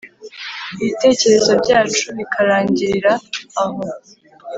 ibitekerezo byacu bikarangirira aho